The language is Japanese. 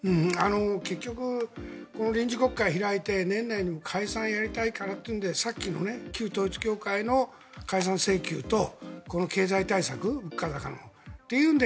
結局この臨時国会を開いて年内にも解散をやりたいからというんでさっきの旧統一教会の解散請求とこの経済対策物価高のというので。